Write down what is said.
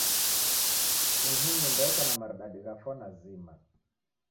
Ihi nyumba yeka na maridadi gha fwana zima.